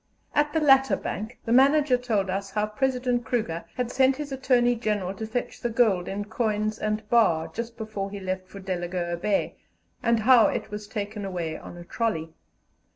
At the latter bank the manager told us how President Kruger had sent his Attorney General to fetch the gold in coins and bar just before he left for Delagoa Bay, and how it was taken away on a trolley.